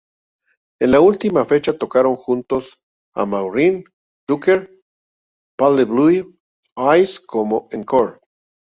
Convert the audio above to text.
En la última fecha tocaron junto a Maureen Tucker "Pale Blue Eyes" como encore.